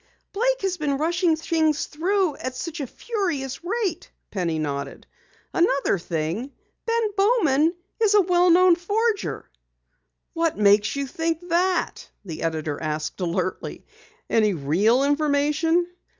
"Blake has been rushing things through at such a furious rate," Penny nodded. "Another thing, Ben Bowman is a well known forger." "What makes you think that?" the editor asked alertly. "Any real information?"